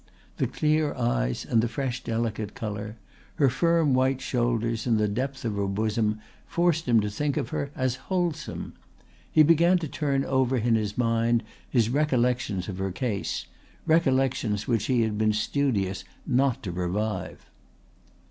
The clear eyes and the fresh delicate colour, her firm white shoulders and her depth of bosom, forced him to think of her as wholesome. He began to turn over in his mind his recollections of her case, recollections which he had been studious not to revive.